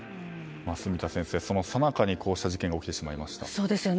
住田先生、そのさなかにこうした事件が起きてしまいました。